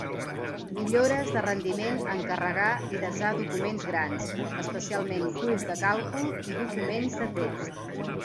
Millores de rendiment en carregar i desar documents grans, especialment fulls de càlcul i documents de text.